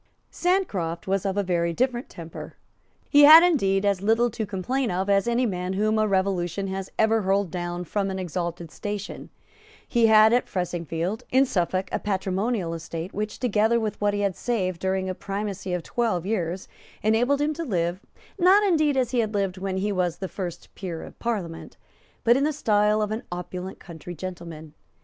Sancroft was of a very different temper. He had, indeed, as little to complain of as any man whom a revolution has ever hurled down from an exalted station. He had at Fressingfield, in Suffolk, a patrimonial estate, which, together with what he had saved during a primacy of twelve years, enabled him to live, not indeed as he had lived when he was the first peer of Parliament, but in the style of an opulent country gentleman.